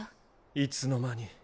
いつの間に。